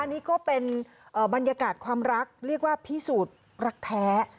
อันนี้ก็เป็นบรรยากาศความรักเรียกว่าพิสูจน์รักแท้